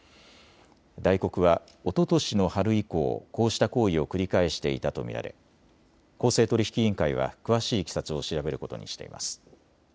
ダイコクはおととしの春以降、こうした行為を繰り返していたと見られ公正取引委員会は詳しいいきさつを調べることにしています。